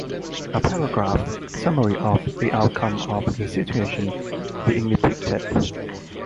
A paragraph summary of the outcome of the situation being depicted.